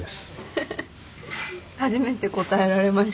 ハハッ初めて答えられました。